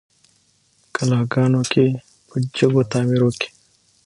قلاګانو کي په جګو تعمیرو کي